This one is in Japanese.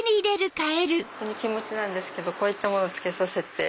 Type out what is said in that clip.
本当に気持ちですけどこういったものつけさせて。